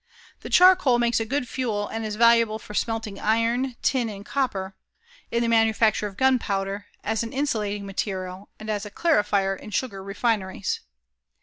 The charcoal makes a good fuel and is valuable for smelting iron, tin and copper, in the manufacture of gunpowder, as an insulating material, and as a clarifier in sugar refineries.